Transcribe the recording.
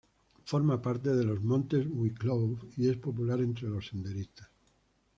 Forma parte de los Montes Wicklow y es popular entre los senderistas.